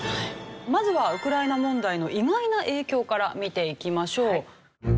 まずはウクライナ問題の意外な影響から見ていきましょう。